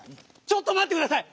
ちょっとまってください！